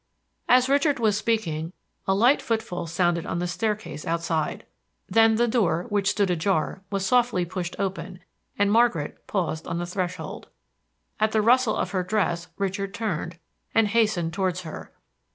As Richard was speaking, a light footfall sounded on the staircase outside; then the door, which stood ajar, was softly pushed open, and Margaret paused on the threshold. At the rustle of her dress Richard turned, and hastened towards her.